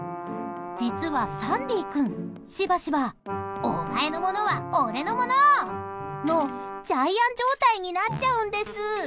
実はサンディ君、しばしばお前のものは俺のもの！のジャイアン状態になっちゃうんです。